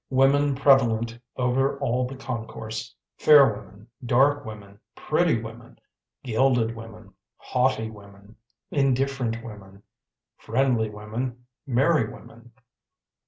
Women prevalent over all the concourse; fair women, dark women, pretty women, gilded women, haughty women, indifferent women, friendly women, merry women.